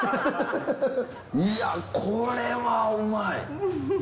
いやこれはうまい！